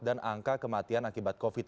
dan angka kematian akibat covid sembilan belas